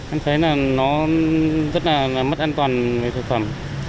em thấy là nó rất là mất an toàn về thực phẩm